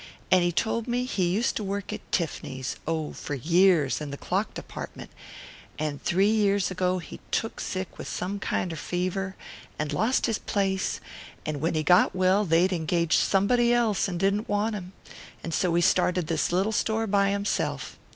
And he told me he used to work at Tiff'ny's, oh, for years, in the clock department, and three years ago he took sick with some kinder fever, and lost his place, and when he got well they'd engaged somebody else and didn't want him, and so he started this little store by himself.